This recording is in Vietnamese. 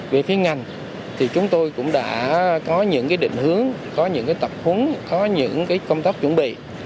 về phía ngành thì chúng tôi cũng đã có những định hướng có những tập huống có những công tác chuẩn bị